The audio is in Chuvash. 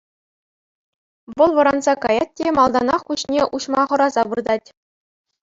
Вӑл вӑранса каять те малтанах куҫне уҫма хӑраса выртать.